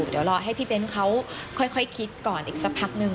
เดี๋ยวรอให้พี่เบ้นเขาค่อยคิดก่อนอีกสักพักนึง